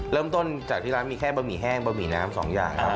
เริ่มต้นจากที่ร้านมีแค่บะหมีแห้งบะหมี่น้ำสองอย่างครับ